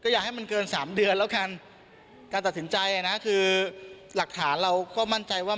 อยากให้มันเกินสามเดือนแล้วกันการตัดสินใจนะคือหลักฐานเราก็มั่นใจว่า